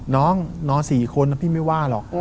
น้องนอน๔คนพี่ไม่ว่าหรอก